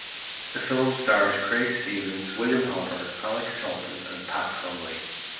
The film stars Craig Stevens, William Hopper, Alix Talton, and Pat Conway.